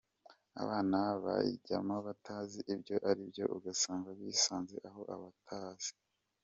Abana babijyamo batazi ibyo ari byo ugasanga bisanze aho abatazi”.